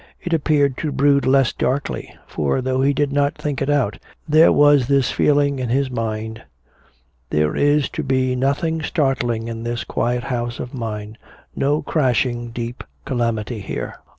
It appeared to brood less darkly. For though he did not think it out, there was this feeling in his mind: "There is to be nothing startling in this quiet home of mine, no crashing deep calamity here."